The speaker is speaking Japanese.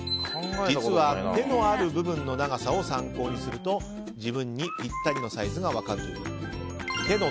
実は、手のある部分の長さを参考にすると自分にぴったりのサイズが分かるということです。